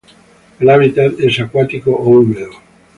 El hábitat es acuático o húmedo.